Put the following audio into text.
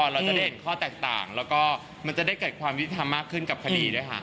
เราจะได้เห็นข้อแตกต่างแล้วก็มันจะได้เกิดความยุติธรรมมากขึ้นกับคดีด้วยค่ะ